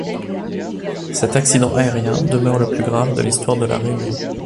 Cet accident aérien demeure le plus grave de l'histoire de La Réunion.